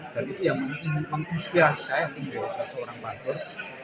dan itu yang menginspirasi saya tinggal seorang pastor